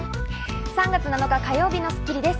３月７日、火曜日の『スッキリ』です。